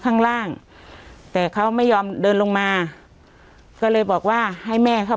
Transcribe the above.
ข้างล่างแต่เขาไม่ยอมเดินลงมาก็เลยบอกว่าให้แม่เขา